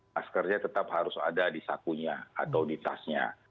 maskernya tetap harus ada di sakunya atau di tasnya